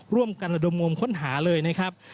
ร่วมกันระดมงมค้นหาเลยนะครับ